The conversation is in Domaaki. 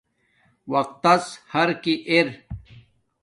وقت تس حرکی ار